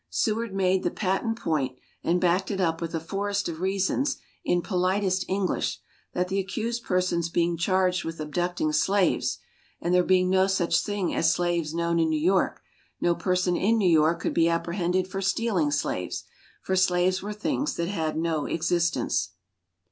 Seward made the patent point, and backed it up with a forest of reasons in politest English, that the accused persons being charged with abducting slaves, and there being no such thing as slaves known in New York, no person in New York could be apprehended for stealing slaves for slaves were things that had no existence.